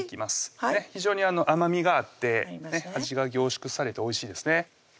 非常に甘みがあって味が凝縮されておいしいですね